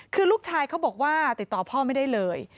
คือลูกชายเขาบอกว่าติดต่อพ่อไม่ได้เลย